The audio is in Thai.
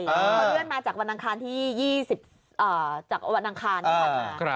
พอเลื่อนมาจากวันอังคารที่๒๐จากวันอังคารที่ผ่านมา